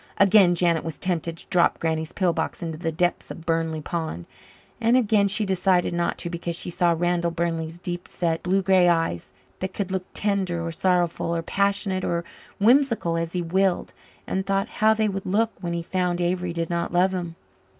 Again Janet was tempted to drop Granny's pill box into the depths of Burnley Pond and again she decided not to because she saw Randall Burnley's deep set, blue grey eyes, that could look tender or sorrowful or passionate or whimsical as he willed, and thought how they would look when he found Avery did not love him.